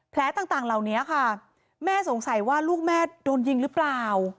ต่างเหล่านี้ค่ะแม่สงสัยว่าลูกแม่โดนยิงหรือเปล่า